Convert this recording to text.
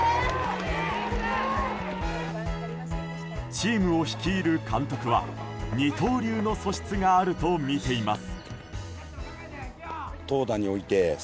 チームを率いる監督は二刀流の素質があるとみています。